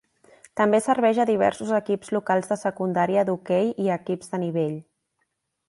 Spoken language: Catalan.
També serveix a diversos equips locals de secundària d'hoquei i a equips de nivell.